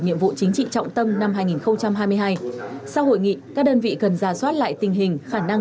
nhiệm vụ chính trị trọng tâm năm hai nghìn hai mươi hai sau hội nghị các đơn vị cần giả soát lại tình hình khả năng